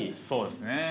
そうですね。